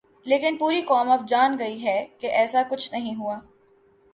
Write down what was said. لیکن پوری قوم اب جان گئی ہے کہ ایسا کچھ نہیں ہوا۔